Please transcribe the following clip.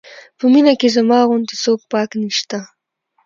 په مینه کې زما غوندې څوک پاک نه شته.